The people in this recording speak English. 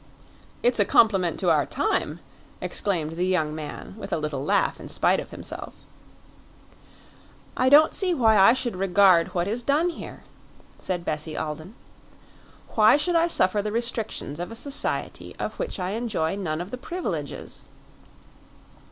"It's a compliment to our time!" exclaimed the young man with a little laugh, in spite of himself. "I don't see why I should regard what is done here," said Bessie Alden. "Why should I suffer the restrictions of a society of which I enjoy none of the privileges?"